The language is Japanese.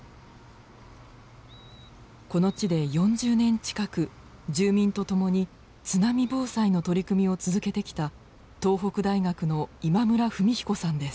この地で４０年近く住民と共に津波防災の取り組みを続けてきた東北大学の今村文彦さんです。